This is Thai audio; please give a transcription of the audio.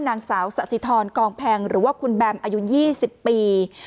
นางสาวสะสิทรกองแพงหรือว่าคุณแบมอายุ๒๐ปี